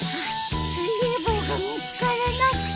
水泳帽が見つからなくって。